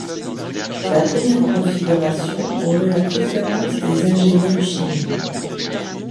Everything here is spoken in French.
La première configuration aurait la préférence des ingénieurs chinois.